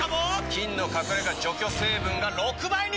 菌の隠れ家除去成分が６倍に！